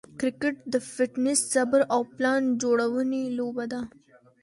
کرکټ د فټنس، صبر، او پلان جوړوني لوبه ده.